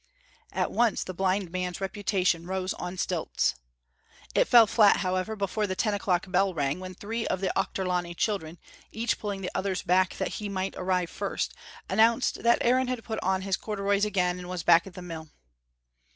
At once the blind man's reputation rose on stilts. It fell flat, however, before the ten o'clock bell rang, when three of the Auchterlonie children, each pulling the others back that he might arrive first, announced that Aaron had put on his corduroys again, and was back at the mill.